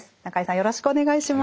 よろしくお願いします。